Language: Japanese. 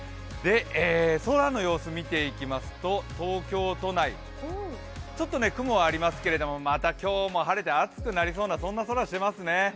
空の様子見ていきますと東京都内、ちょっと雲はありますけれども、また今日も晴れて暑くなりそうな、そんな空をしてますね。